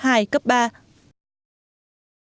hẹn gặp lại các bạn trong những video tiếp theo